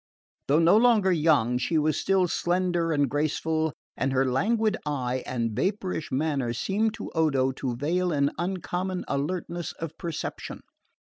Though no longer young, she was still slender and graceful, and her languid eye and vapourish manner seemed to Odo to veil an uncommon alertness of perception.